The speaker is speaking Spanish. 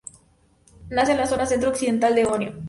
Nace en la zona centro-occidental de Ohio.